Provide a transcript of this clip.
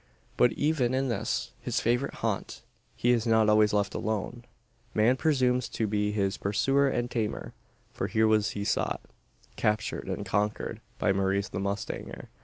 But even in this, his favourite haunt, he is not always left alone. Man presumes to be his pursuer and tamer: for here was he sought, captured, and conquered, by Maurice the Mustanger.